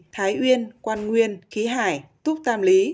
thái uyên quan nguyên khí hải thuốc tam lý